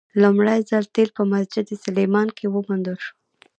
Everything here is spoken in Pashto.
لومړی ځل تیل په مسجد سلیمان کې وموندل شول.